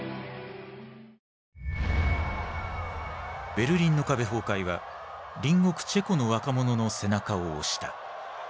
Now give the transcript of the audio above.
ベルリンの壁崩壊は隣国チェコの若者の背中を押した。